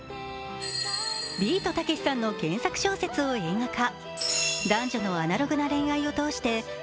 ビートたけしさんの原作小説を映画化。